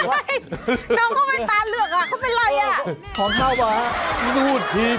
น้องเขามีตาเหลือกค่ะเขาเป็นอะไร